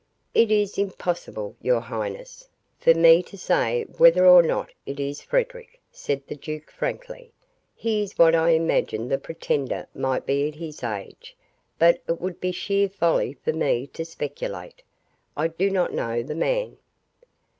"It is impossible, your highness, for me to say whether or not it is Frederic," said the duke frankly. "He is what I imagine the pretender might be at his age, but it would be sheer folly for me to speculate. I do not know the man."